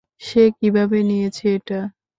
সে কীভাবে নিয়েছে এটা?